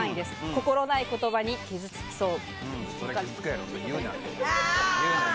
心ない言葉に傷つきそう。